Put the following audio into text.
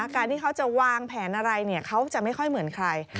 การที่เขาจะวางแผนอะไรเขาจะไม่ค่อยเหมือนใคร